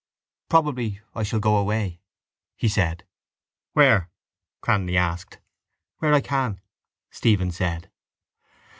—Probably I shall go away, he said. —Where? Cranly asked. —Where I can, Stephen said.